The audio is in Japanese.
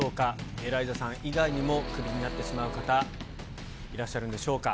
エライザさん以外にもクビになってしまう方、いらっしゃるんでしょうか。